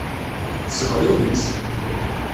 Tesbeɣ-iyi-tt.